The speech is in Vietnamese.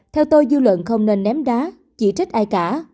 theo tôi dư luận không nên ném đá chỉ trích ai cả